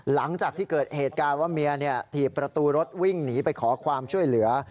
หลังจากที่เกิดเหตุการณ์ว่าเมียถีบประตูรถวิ่งหนีไปขอความช่วยเหลือ